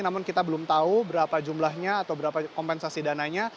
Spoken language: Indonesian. namun kita belum tahu berapa jumlahnya atau berapa kompensasi dananya